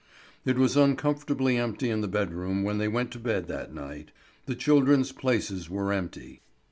It was uncomfortably empty in the bedroom when they went to bed that night. The children's places were empty.